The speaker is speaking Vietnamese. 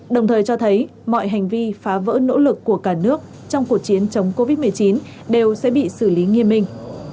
đồng thời cho thấy mọi hành vi phá vỡ nỗ lực của cả nước trong cuộc chiến chống covid một mươi chín đều sẽ bị xử lý nghiêm minh